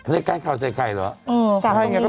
เรียกการข่าวไส่ไข่หรือ